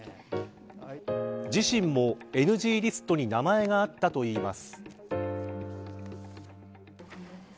自身もＮＧリストに名前があったといいます。